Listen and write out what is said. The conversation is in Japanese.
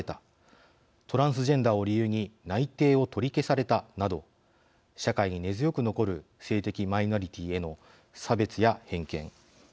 トランスジェンダーを理由に内定を取り消されたなど社会に根強く残る性的マイノリティーへの差別や偏見。